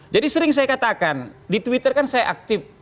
jadi sering saya katakan di twitter kan saya aktif